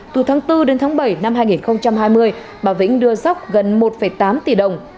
từ tháng bốn đến tháng bảy năm hai nghìn hai mươi bà vĩnh đưa dóc gần một tám tỷ đồng